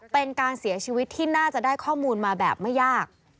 เป็นการเสียชีวิตที่น่าจะได้ข้อมูลมาแบบไม่ยาก